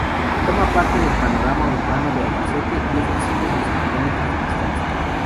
Forma parte del panorama urbano de Albacete y es visible desde kilómetros de distancia.